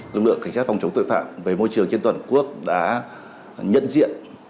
lực lượng cảnh sát phòng chống tội phạm về môi trường trên toàn quốc đã nhận diện